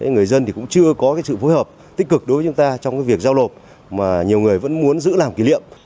người dân cũng chưa có sự phối hợp tích cực đối với chúng ta trong việc giao lộp mà nhiều người vẫn muốn giữ làm kỷ niệm